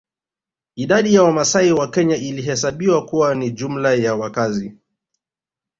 Idadi ya Wamasai wa Kenya ilihesabiwa kuwa ni jumla ya wakazi